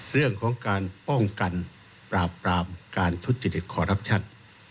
เรื่องของการป้องกันปราบปรามการทุจริตคอรัปชั่น